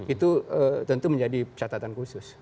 itu tentu menjadi catatan khusus